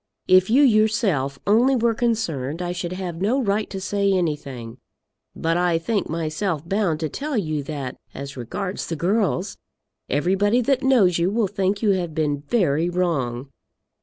If you yourself only were concerned I should have no right to say anything; but I think myself bound to tell you that, as regards the girls, everybody that knows you will think you to have been very wrong.